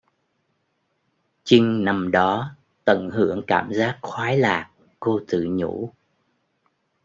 Chinh nằm đó tận hưởng cảm giác khoái lạc cô tự nhủ